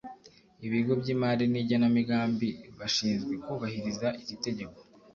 Ibigo by’imari n’ igenamigambi bashinzwe kubahiriza iri tegeko